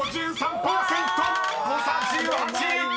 ［誤差１８！］